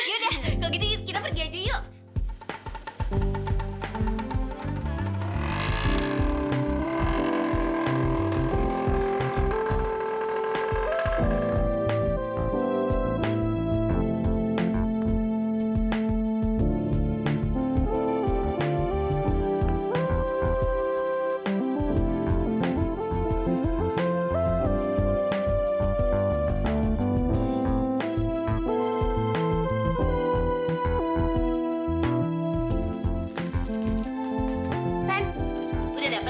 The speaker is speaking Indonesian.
yaudah kalau gitu kita pergi aja yuk